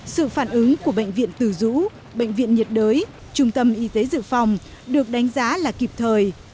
sự phản ứng của bệnh viện từ dũ bệnh viện nhiệt đới trung tâm y tế dự phòng được đánh giá là kịp thời